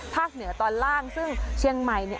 เหนือตอนล่างซึ่งเชียงใหม่เนี่ย